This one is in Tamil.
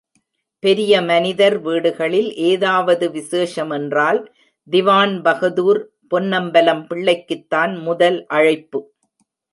பெரிய மனிதர் வீடுகளில் ஏதாவது விசேஷமென்றால் திவான்பகதூர் பொன்னம்பலம் பிள்ளைக்குத்தான் முதல் அழைப்பு.